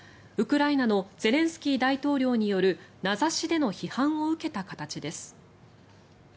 ウクライナのゼレンスキー大統領による名指しでの批判を受けた形です。